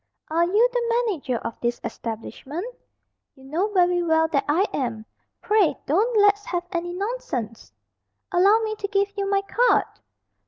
"Are you the manager of this establishment?" "You know very well that I am. Pray don't let's have any nonsense." "Allow me to give you my card."